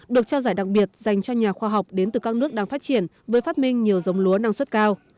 được trao giải đặc biệt dành cho nhà khoa học đến từ các nước đang phát triển với phát minh nhiều dống lúa năng suất cao